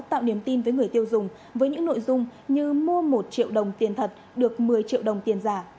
tạo niềm tin với người tiêu dùng với những nội dung như mua một triệu đồng tiền thật được một mươi triệu đồng tiền giả